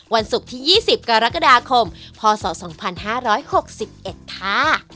วันศุกร์ที่๒๐กรกฎาคมพศ๒๕๖๑ค่ะ